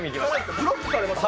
ブロックされました。